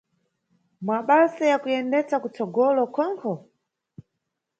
Mabasa ya kuyendesa kutsogolo khonkho?